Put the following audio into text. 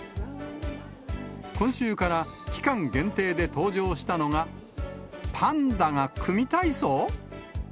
今週から、期間限定で登場したのが、パンダが組み体操？